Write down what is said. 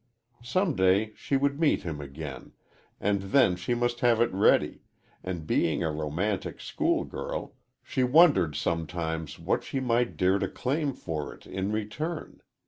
Some day she would meet him again, and then she must have it ready, and being a romantic schoolgirl, she wondered sometimes what she might dare to claim for it in return.